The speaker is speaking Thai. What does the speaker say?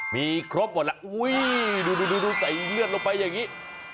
มีครบหมดแล้วดูใส่เลือดลงไปอย่างนี้